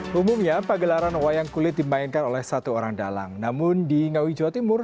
hai umumnya pagelaran wayang kulit dimainkan oleh satu orang dalang namun di ngawi jawa timur